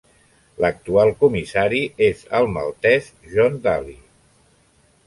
L'actual comissari és el maltès John Dalli.